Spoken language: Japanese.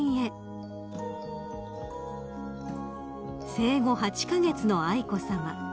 ［生後８カ月の愛子さま］